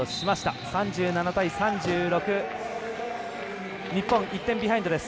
３７対３６。日本、１点ビハインドです。